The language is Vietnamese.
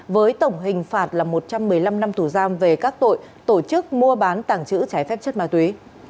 với tổng hình phạt là một trăm một mươi năm năm thủ giam về các tội tổ chức mua bán tảng chữ trái phép chất ma túy